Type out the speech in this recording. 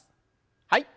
はい。